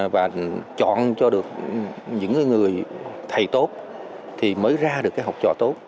và chọn cho được những người thầy tốt thì mới ra được cái học trò tốt